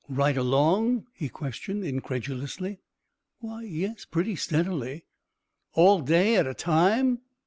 "Right along?" he questioned, incredulously. "Why, yes. Pretty steadily." "All day, at a time?"